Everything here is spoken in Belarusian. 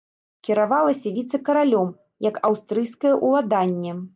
Кіравалася віцэ-каралём як аўстрыйскае ўладанне.